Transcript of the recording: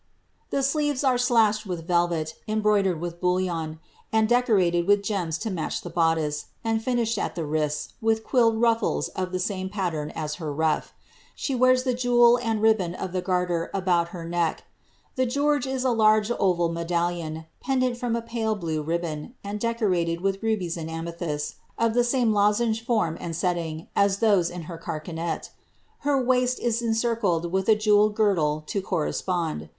The sleeves are slashed slvet, embroidered with bullion, and decorated with gems to match jdice, and finislied at the wrists with quilled ruffles of the same . as her ruff. She wears the jewel and ribbon of the garter about ck. The George is a large OTal medallion, pendent from a pale bbon, and decorated with rubies and amethysts of the same lozenge nd setting, as those in her carcanet Her waist is encircled with lied girdle to correspond.